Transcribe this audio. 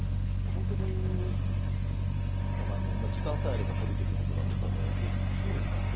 本当に時間さえあれば食べているような子だったので。